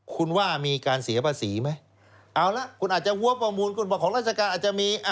คุณว่ามีการเสียภาษีไหมเอาละคุณอาจจะหัวประมูลคุณบอกของราชการอาจจะมี